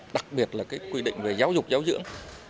đặc biệt là quy định về giáo dục giáo dưỡng